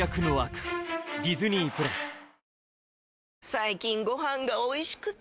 最近ご飯がおいしくて！